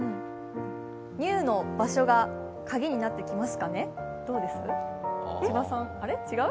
Ｎｅｗの場所がカギになってきますかね。